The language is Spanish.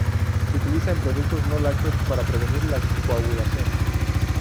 Se utiliza en productos no lácteos para prevenir la coagulación.